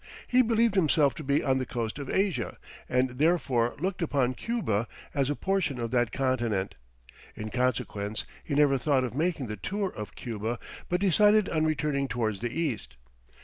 He believed himself to be on the coast of Asia, and therefore looked upon Cuba as a portion of that continent. In consequence, he never thought of making the tour of Cuba, but decided on returning towards the east.